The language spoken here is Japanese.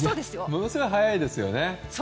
ものすごい早いですよね。